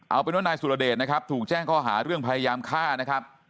เอาเป็นว่านายสุรเดชนะครับถูกแจ้งข้อหาเรื่องพยายามฆ่านะครับ